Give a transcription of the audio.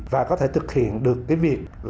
và có thể thực hiện được việc